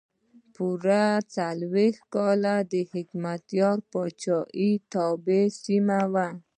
پوره څلور کاله د حکمتیار پاچاهۍ توابع سیمه وه.